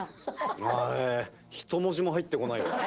あ一文字も入ってこないわ。